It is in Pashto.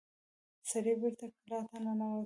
سړی بېرته کلا ته ننوت.